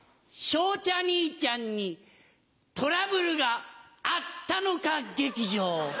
昇太兄ちゃんにトラブルがあったのか劇場。